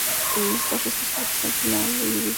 Estos restos representan a un individuo subadulto.